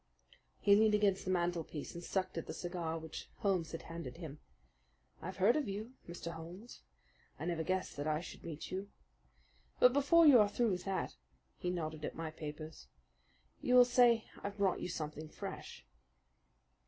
He leaned against the mantelpiece and sucked at the cigar which Holmes had handed him. "I've heard of you, Mr. Holmes. I never guessed that I should meet you. But before you are through with that," he nodded at my papers, "you will say I've brought you something fresh."